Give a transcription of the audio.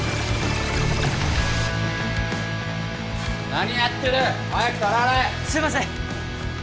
何やってる早く皿洗えすいません